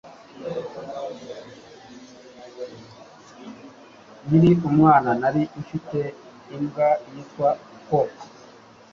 Nkiri umwana nari mfite imbwa yitwa Cook